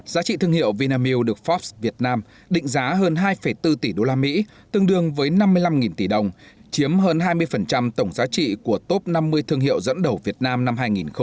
giá trị thương hiệu vinamilk được forbes việt nam định giá hơn hai bốn tỷ đô la mỹ tương đương với năm mươi năm tỷ đồng chiếm hơn hai mươi tổng giá trị của top năm mươi thương hiệu dẫn đầu việt nam năm hai nghìn hai mươi